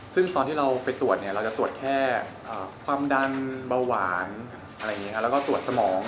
ซึ่งตอนที่เราไปตรวจเราจะตรวจแค่ความดันเบาหวานแล้วก็ตรวจสมอง